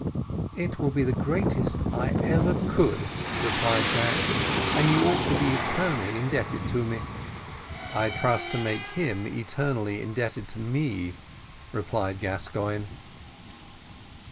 "It will be the greatest I ever could," replied Jack, "and you ought to be eternally indebted to me." "I trust to make him eternally indebted to me," replied Gascoigne.